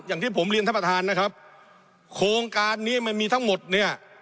อย่างที่ผมเรียนท่านประธานนะครับโครงการนี้มันมีทั้งหมดเนี่ย